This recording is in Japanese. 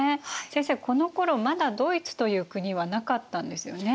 先生このころまだドイツという国はなかったんですよね？